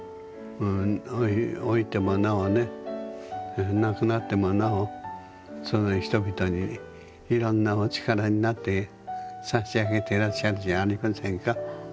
老いてもなおね亡くなってもなおその人々にいろんなお力になってさしあげていらっしゃるんじゃありませんか。